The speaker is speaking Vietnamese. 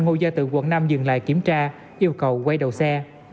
ngôi gia từ quận năm dừng lại kiểm tra yêu cầu quay đầu xe